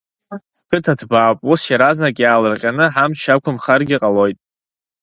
Ҳқыҭа ҭбаауп, ус иаразнак иаалырҟьаны ҳамч ақәымхаргьы ҟалоит.